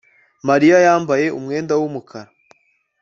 Mariya yambaye umwenda wumukara